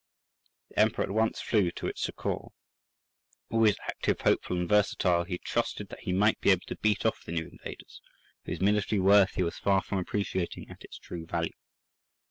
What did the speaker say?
The Emperor at once flew to its succour. Always active, hopeful, and versatile, he trusted that he might be able to beat off the new invaders, whose military worth he was far from appreciating at its true value.